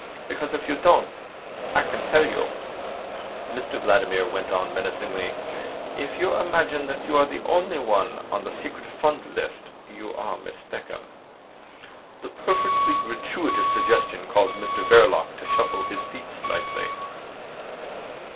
Because if you don't, I can tell you," Mr Vladimir went on menacingly. "If you imagine that you are the only one on the secret fund list, you are mistaken." This perfectly gratuitous suggestion caused Mr Verloc to shuffle his feet slightly.